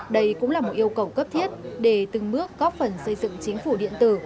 đây cũng là một yêu cầu cấp thiết để từng bước góp phần xây dựng chính phủ điện tử